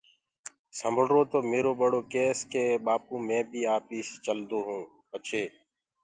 سمݪرو تو ميرو ٻڙو ڪيس ڪي ٻآپو مي بيٚ آپيس چلدون پڇي